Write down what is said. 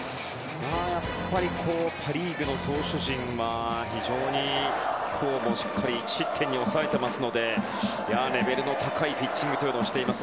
やっぱりパ・リーグの投手陣は非常に今日も１失点に抑えていますのでレベルの高いピッチングをしています。